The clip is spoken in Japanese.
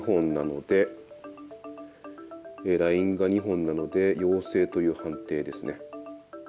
ラインが２本なので陽性という判定ですね。